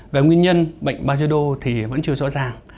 về nguyên nhân bệnh bajedo thì vẫn chưa rõ ràng